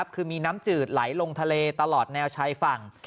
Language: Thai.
คือมีน้ำจืดไหลลงทะเลตลอดแนวชายฝั่ง